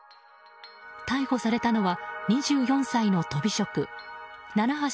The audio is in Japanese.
逮捕されたのは２４歳のとび職奈良橋駿